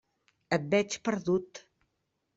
Et veig perdut.